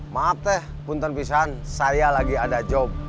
maaf deh punten pisang saya lagi ada job